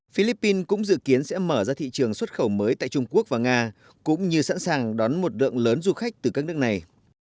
philippines cũng dự kiến sẽ mở ra thị trường xuất khẩu mới tại trung quốc và nga cũng như sẵn sàng đón một lượng lớn du khách từ các nước này